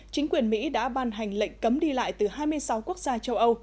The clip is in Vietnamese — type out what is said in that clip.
chính quyền mỹ đã ban hành lệnh cấm đi lại từ hai mươi sáu quốc gia châu âu